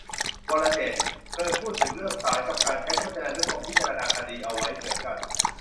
วรเจตน์ เคยพูดถึงเรื่องศาลกับการใช้พจนานุกรมพิจารณาคดีเอาไว้เหมือนกัน